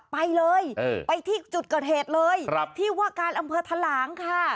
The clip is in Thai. ไปเลยไปที่จุดเกิดเหตุเลยที่ว่าการอำเภอทะหลางค่ะ